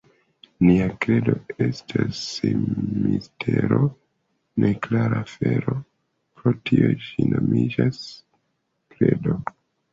Nia kredo estas mistero, neklara afero; pro tio ĝi nomiĝas kredo.